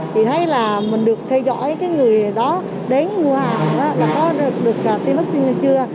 chị thấy là mình được theo dõi cái người đó đến mua hàng là có được phim vaccine chưa